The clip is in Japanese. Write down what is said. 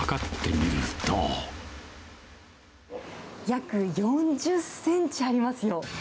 約４０センチありますよ。